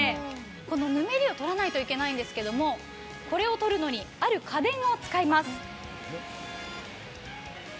このぬめりをとらないといけないんですけれども、これをとるのにある家電を使います。